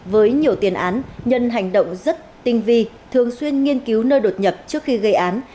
với nhiều tiền án nhân hành động rất tinh vi thường xuyên nghiên cứu nơi đột nhập trước khi gây án